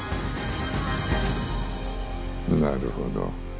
なるほど。